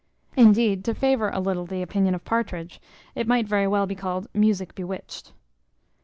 indeed, to favour a little the opinion of Partridge, it might very well be called music bewitched.